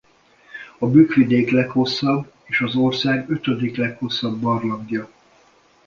A Bükk-vidék leghosszabb és az ország ötödik leghosszabb barlangja.